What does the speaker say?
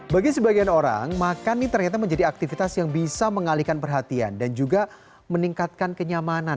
bagi sebagian orang makan ini ternyata menjadi aktivitas yang bisa mengalihkan perhatian dan juga meningkatkan kenyamanan